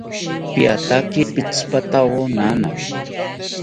Piataki pitzipatawo nana